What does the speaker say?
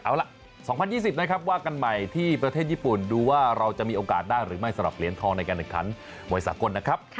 เอาล่ะ๒๐๒๐นะครับว่ากันใหม่ที่ประเทศญี่ปุ่นดูว่าเราจะมีโอกาสได้หรือไม่สำหรับเหรียญทองในการแข่งขันมวยสากลนะครับ